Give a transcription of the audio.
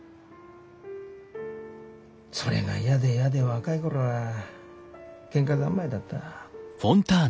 それが嫌で嫌で若い頃はケンカ三昧だった。